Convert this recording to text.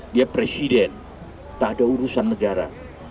dia presiden tak ada urusan negara